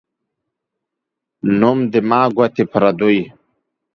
نوم زما ، گوتي پردۍ.